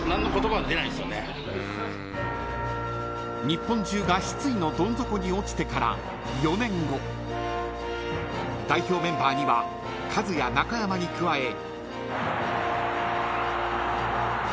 ［日本中が失意のどん底に落ちてから４年後代表メンバーにはカズや中山に加え］